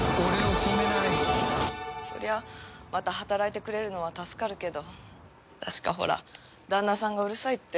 そりゃまた働いてくれるのは助かるけど確かほら旦那さんがうるさいって。